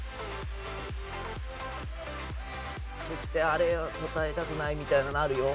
あれ答えたくないみたいなのあるよ。